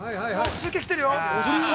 ◆中継、来てるよ？